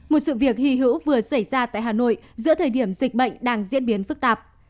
một sự việc hy hữu vừa xảy ra tại hà nội giữa thời điểm dịch bệnh đang diễn biến phức tạp